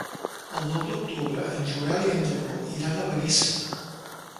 El nou d'octubre en Joel i en Lleó iran a Benissa.